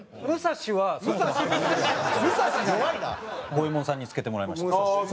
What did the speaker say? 五衛門さんに付けてもらいました。